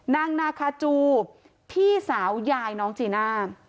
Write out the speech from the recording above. นางนาคาจูพี่สาวยายน้องจีน่า